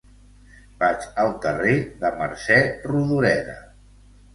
Vaig al carrer de Mercè Rodoreda.